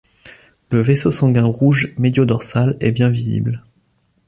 Le vaisseau sanguin rouge médio-dorsal est bien visible.